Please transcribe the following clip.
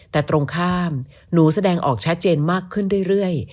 แต่ตรงข้ามหนูแสดงออกชัดเจนมากขึ้นเรื่อย